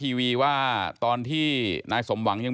เลขทะเบียนรถจากรยานยนต์